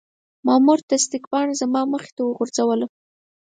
مامور تصدیق پاڼه زما مخې ته وغورځوله.